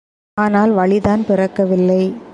ஆனால் வழிதான் பிறக்கவில்லை.